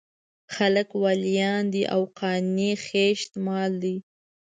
خلک واليان دي او قانع خېشت مال دی.